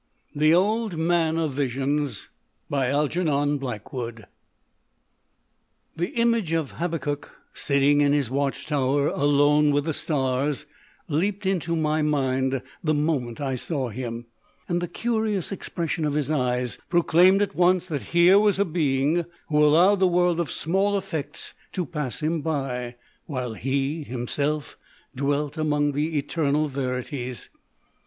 THE OLD MAN OF VISIONS The image of Teufelsdrdckh, sitting in his watch tower " alone with the stars/' leaped into my mind the moment I saw him ; and the curious expression of his eyes proclaimed at once that here was a being who allowed the world of small effects to pass him by, while he himself dwelt among the eternal veri ties.